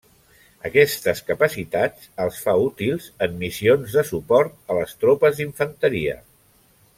Aquestes capacitats els fa útils en missions de suport a les tropes d'infanteria.